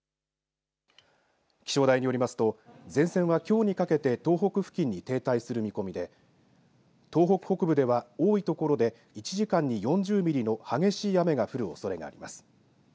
気象台によりますと前線はきょうにかけて東北付近に停滞する見込みで東北北部では多い所で１時間に４０ミリの激しい雨が降るおそれがあります。